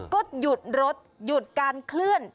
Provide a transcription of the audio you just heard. ก็หยุดรถหยุดการเคลื่อน